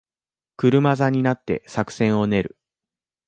車座になって作戦を練る